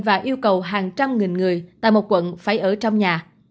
và yêu cầu hàng trăm nghìn người tại một quận phải ở trong nhà